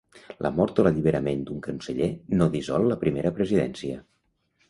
La mort o l'alliberament d'un conseller no dissol la Primera Presidència.